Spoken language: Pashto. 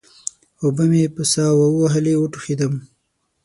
اوبه مې په سا ووهلې؛ وټوخېدم.